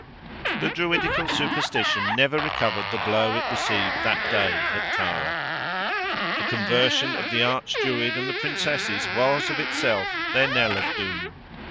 The Druidical superstition never recovered the blow it received that day at Tara. The conversion of the Arch Druid and the Princesses, was, of itself, their knell of doom.